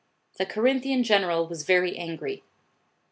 The Corinthian general was very angry.